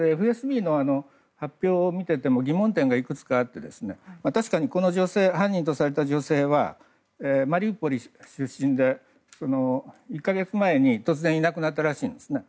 ＦＳＢの発表を見ていても疑問点がいくつかあって確かに、この犯人とされた女性はマリウポリ出身で１か月前に突然いなくなったらしいんですね。